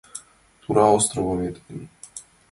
Тура островым эртен;